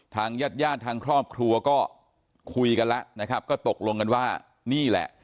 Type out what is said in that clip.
ทางญาติญาติทางครอบครัวก็คุยกันแล้วนะครับก็ตกลงกันว่านี่แหละ